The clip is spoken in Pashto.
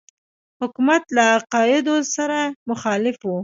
حکومت له عقایدو سره مخالف وو.